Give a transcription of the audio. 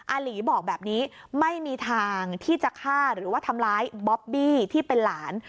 หลีบอกแบบนี้ไม่มีทางที่จะฆ่าหรือว่าทำร้ายบ๊อบบี้ที่เป็นหลาน